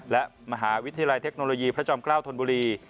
และมหาวิทยาลัยเทคโนโลยีพระจอมเกล้าธนบุรี